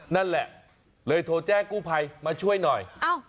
นั่นแหละเลยโทรแจ้งกู้ภัยมาช่วยหน่อย